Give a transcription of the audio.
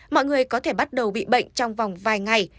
mọi người có thể bắt đầu bị bệnh trong vòng vài ngày